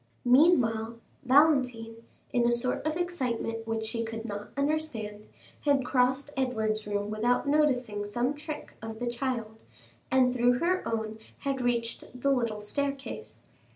Meanwhile, Valentine, in a sort of excitement which she could not quite understand, had crossed Edward's room without noticing some trick of the child, and through her own had reached the little staircase.